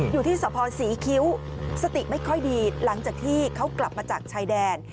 สะพอศรีคิ้วสติไม่ค่อยดีหลังจากที่เขากลับมาจากชายแดน